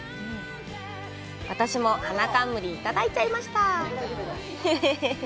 私も、花冠、いただいちゃいました。